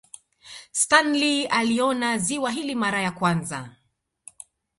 Stanley aliona ziwa hili mara ya kwanza